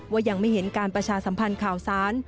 ยังไม่เห็นการประชาสัมพันธ์ข่าวสาร